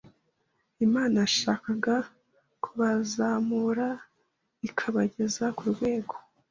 Imana yashakaga kubazamura ikabageza ku rwego